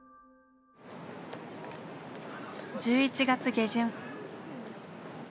１１月下旬。